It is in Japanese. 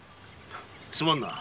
すまんな。